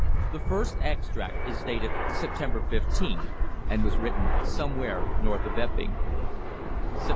The first extract is dated September 15, and was written somewhere north of Epping: "_Sept.